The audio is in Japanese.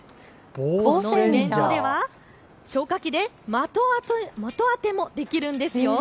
イベントでは消火器で的当てもできるんですよ。